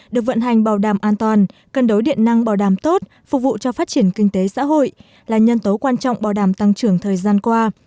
được vận hành bảo đảm an toàn cân đối điện năng bảo đảm tốt phục vụ cho phát triển kinh tế xã hội là nhân tố quan trọng bảo đảm tăng trưởng thời gian qua